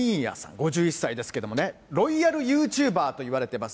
５１歳ですけれどもね、ロイヤルユーチューバーといわれています。